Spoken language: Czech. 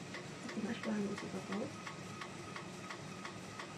Procházka absolvoval kompletní zápas.